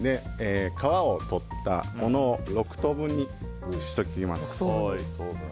皮をとったものを６等分にしておきます。